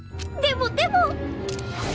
でもでも。